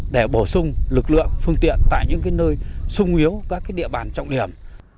để bổ sung lực lượng phương tiện tại những nơi sung yếu các địa bàn trọng điểm